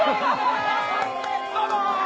「どうも！